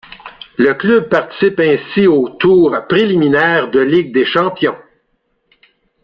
Le club participe ainsi aux tours préliminaires de Ligue des Champions.